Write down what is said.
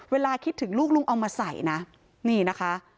เวลาคิดถึงลูกลุงเอามาใส่นะนี่นะคะ